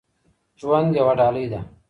ژوند یوه ډالۍ ده.